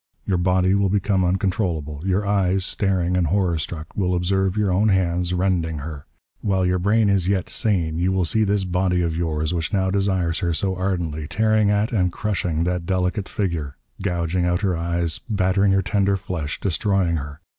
Your body will become uncontrollable. Your eyes, staring and horror struck, will observe your own hands rending her. While your brain is yet sane you will see this body of yours which now desires her so ardently, tearing at and crushing that delicate figure, gouging out her eyes, battering her tender flesh, destroying her....